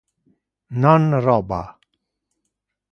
Non roba.